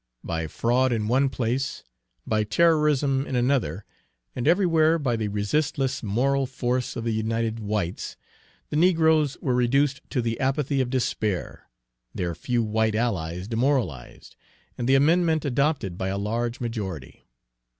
By fraud in one place, by terrorism in another, and everywhere by the resistless moral force of the united whites, the negroes were reduced to the apathy of despair, their few white allies demoralized, and the amendment adopted by a large majority.